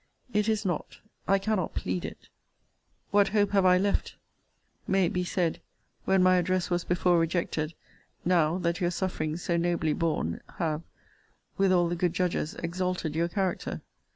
It is not. I cannot plead it. What hope have I left, may it be said, when my address was before rejected, now, that your sufferings, so nobly borne, have, with all the good judges, exalted your character?